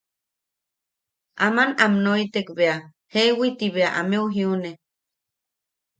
Aman am noitek bea jeewi ti bea ameu jiune.